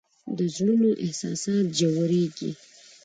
د زړونو احساسات ژورېږي